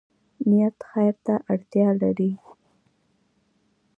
نیت خیر ته اړتیا لري